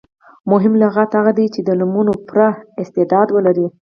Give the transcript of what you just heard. مهم لغت هغه دئ، چي د نومونو پوره استعداد ولري.